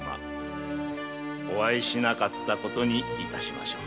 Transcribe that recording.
お会いしなかった事にいたしましょう